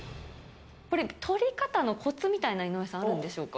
これ、取り方のこつみたいなの、井上さん、あるんでしょうか。